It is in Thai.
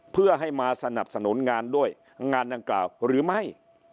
เพื่อให้มาสนับสนุนงานด้วยงานดังกล่าวหรือไม่